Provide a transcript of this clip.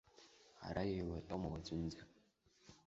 Ара еилатәоума уаҵәынӡа!